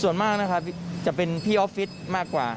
ส่วนมากนะครับจะเป็นพี่ออฟฟิศมากกว่า